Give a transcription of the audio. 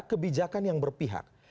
kebijakan yang berpihak